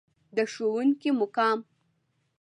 د ښوونکي مقام.